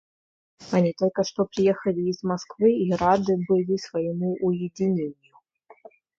Они только что приехали из Москвы и рады были своему уединению.